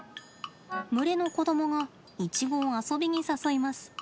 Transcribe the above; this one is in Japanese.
群れの子どもがイチゴを遊びに誘います。